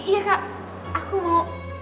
iya kak aku mau